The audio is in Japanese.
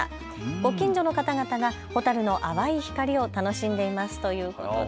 ご近所の方々が蛍の淡い光を楽しんでいますということです。